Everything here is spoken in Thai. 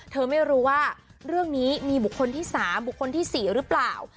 เธอไม่รู้ว่าเรื่องนี้มีบุคคลที่๓บุคคลที่๔หรือเปล่า